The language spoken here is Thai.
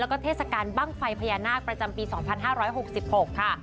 แล้วก็เทศกาลบ้างไฟพญานาคประจำปี๒๕๖๖ค่ะ